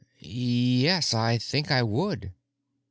"Yes—I think I would."